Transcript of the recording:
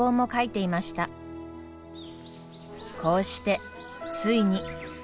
こうしてついに。